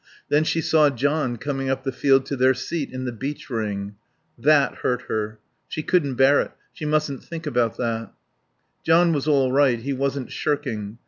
Then she saw John coming up the field to their seat in the beech ring. That hurt her; she couldn't bear it; she mustn't think about that. John was all right; he wasn't shirking.